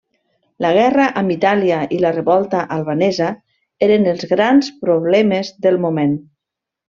La guerra amb Itàlia i la revolta albanesa eren els grans problemes del moment.